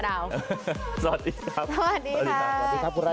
สวัสดีครับ